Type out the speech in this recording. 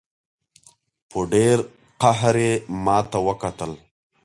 په ډېر قهر یې ماته وکتل.